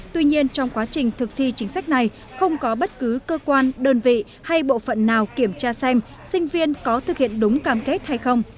tuy nhiên trong quá trình thực thi chính sách này không có bất cứ cơ quan đơn vị hay bộ phận nào kiểm tra xem sinh viên có thực hiện đúng cam kết hay không